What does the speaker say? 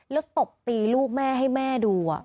แล้วตบตีลูกแม่ให้แม่ดู